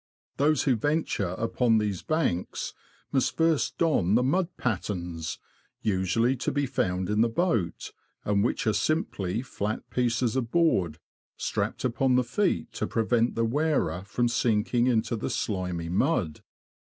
Those who venture upon these banks must first don the mud pattens, usually to be found in the boat, and which are simply flat pieces of board, strapped upon the feet to prevent the wearer from sinking into the slimy mud.